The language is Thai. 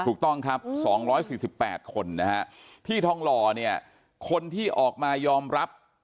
ถูกต้องครับ๒๔๘คนที่ทองรอคนที่ออกมายอมรับ